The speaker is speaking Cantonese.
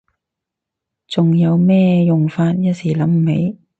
仲有咩用法？一時間諗唔起